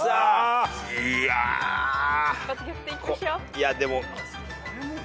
いやでも。